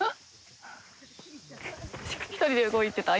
１人で動いてた？